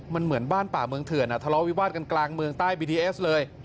มันเหมือนบ้านป่าเมืองเถื่อนทะเลาวิวาสกันกลางเมืองใต้บีดีเอสเลย